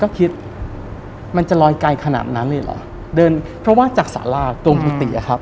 ก็คิดมันจะลอยไกลขนาดนั้นเลยเหรอเดินเพราะว่าจากสาราตรงกุฏิอะครับ